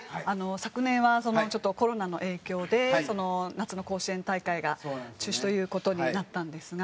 昨年はちょっとコロナの影響で夏の甲子園大会が中止という事になったんですが。